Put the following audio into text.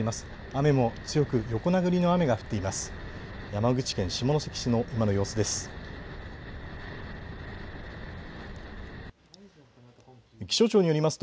雨も強く横殴りの雨が降っています。